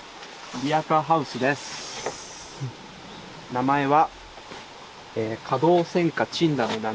名前は。